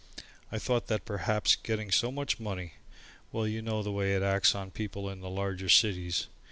I thought that perhaps getting so much money, well, you know the way it acts on people in the larger cities.